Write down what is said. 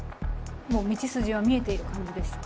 もう道筋は見えている感じですか？